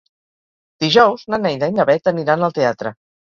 Dijous na Neida i na Bet aniran al teatre.